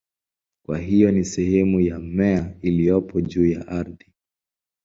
Kwa hiyo ni sehemu ya mmea iliyopo juu ya ardhi.